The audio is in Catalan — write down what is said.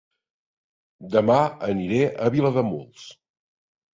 Dema aniré a Vilademuls